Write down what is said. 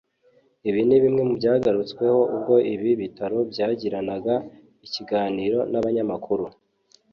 Ibi ni bimwe mu byagarutsweho ubwo ibi bitaro byagiranaga ikiganiro n’abanyamakuru